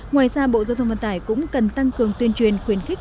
ngoài ra bộ giao thông vận tải cũng cần tăng cường tuyên truyền khuyến khích